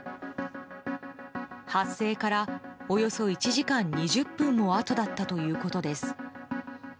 発生から、およそ１時間２０分もあとだったということです。